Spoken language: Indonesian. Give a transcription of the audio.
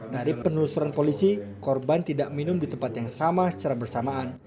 dari penelusuran polisi korban tidak minum di tempat yang sama secara bersamaan